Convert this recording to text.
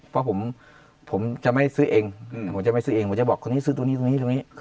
เพราะผมจะไม่ซื้อเองผมจะบอกคนนี้ซื้อตรงนี้ตรงนี้